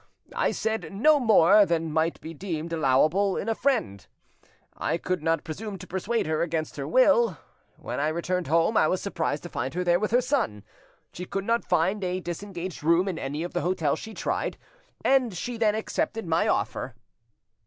I said no more than might be deemed allowable in a friend; I could not presume to persuade her against her will. When I returned home, I was surprised to find her there with her son. She could not find a disengaged room in any of the hotels she tried, and she then accepted my offer."